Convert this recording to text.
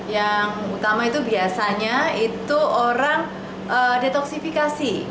yang utama itu biasanya itu orang detoksifikasi